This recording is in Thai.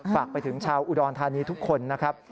ฝากไปถึงชาวอุดรธานีทุกคนนะครับ